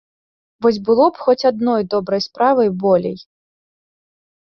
Вось было б хоць адной добрай справай болей.